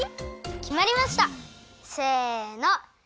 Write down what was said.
きまりました！せの。